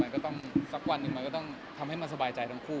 ก็ต้องทำให้สบายใจทั้งคู่